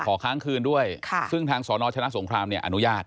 ค้างคืนด้วยซึ่งทางสนชนะสงครามเนี่ยอนุญาต